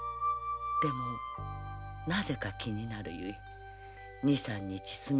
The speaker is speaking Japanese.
でもなぜか気になるゆえ二三日住み込みを許す